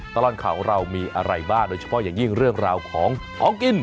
ตลอดข่าวของเรามีอะไรบ้างโดยเฉพาะอย่างยิ่งเรื่องราวของของกิน